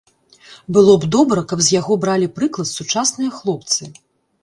Было б добра, каб з яго бралі прыклад сучасныя хлопцы.